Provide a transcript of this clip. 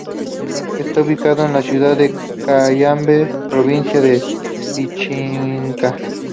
Está ubicado en la ciudad de Cayambe, provincia de Pichincha.